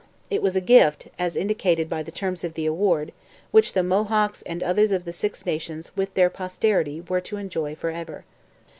It was a gift, as indicated by the terms of the award, 'which the Mohawks and others of the Six Nations... with their posterity,' were to enjoy for ever.